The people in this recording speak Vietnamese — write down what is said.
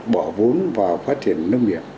bỏ vốn vào phát triển nông nghiệp